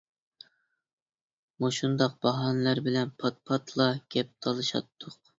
مۇشۇنداق باھانىلەر بىلەن پات-پاتلا گەپ تالىشاتتۇق.